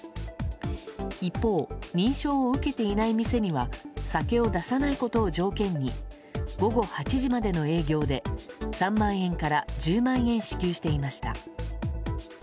一方、認証を受けていない店には酒を出さないことを条件に午後８時までの営業で３万円から１０万円